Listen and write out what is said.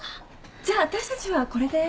じゃあ私たちはこれで。